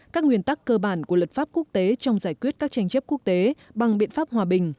các nguyên tắc cơ bản của luật pháp quốc tế trong giải quyết các tranh chấp quốc tế bằng biện pháp hòa bình